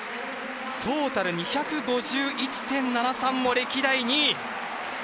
トータル２５１．７３も歴代２位。